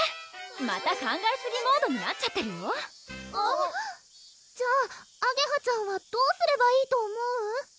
また考えすぎモードになっちゃってるようっじゃああげはちゃんはどうすればいいと思う？